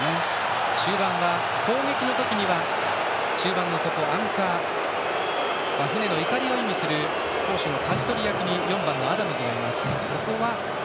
中盤は攻撃の時には中盤の底、アンカー船のいかりを意味する攻守のかじ取り役に４番、アダムズがいます。